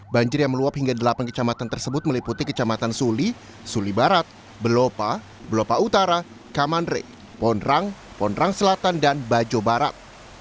banjir yang meluap hingga delapan kecamatan tersebut meliputi kecamatan suli suli barat belopa belopa utara kamanre pondrang pondrang selatan dan bajo barat